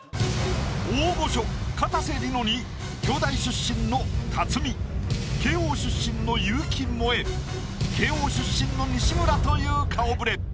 大御所かたせ梨乃に京大出身の辰巳慶應出身の結城モエ慶應出身の西村という顔ぶれ。